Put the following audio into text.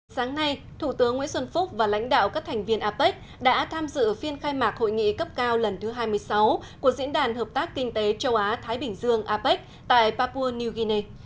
sáng nay thủ tướng nguyễn xuân phúc và lãnh đạo các thành viên apec đã tham dự phiên khai mạc hội nghị cấp cao lần thứ hai mươi sáu của diễn đàn hợp tác kinh tế châu á thái bình dương apec tại papua new guinea